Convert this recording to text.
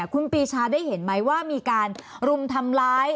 คุณปีชาได้เห็นไหมว่ามีการรุมทำร้าย